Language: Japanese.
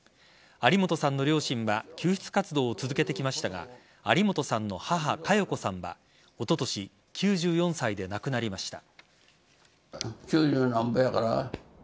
有本さんの両親は救出活動を続けてきましたが有本さんの母・嘉代子さんはおととし９４歳で亡くなりました。